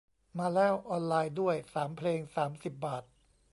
มาแล้ว ออนไลน์ด้วย สามเพลงสามสิบบาท